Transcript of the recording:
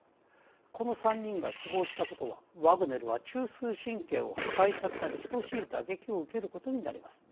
この３人が死亡したことはワグネルは中枢神経を破壊されたに等しい打撃を受けることになります。